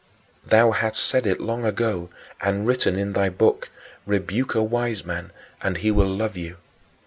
Thou hast said it long ago and written in thy Book, "Rebuke a wise man, and he will love you."